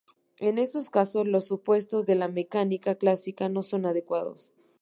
En esos casos los supuestos de la mecánica clásica no son adecuados.